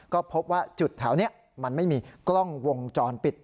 ก็พบว่าจุดแถวนี้มันไม่มีกล้องวงจรปิด